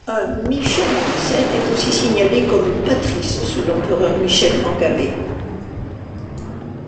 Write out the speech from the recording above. Un Michel Mélissène est aussi signalé comme patrice sous l'empereur Michel Rhangabé.